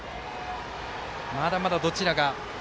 まだまだ、どちらが。